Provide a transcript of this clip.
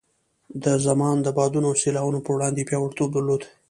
د زمان د بادونو او سیلاوونو په وړاندې یې پیاوړتوب درلود.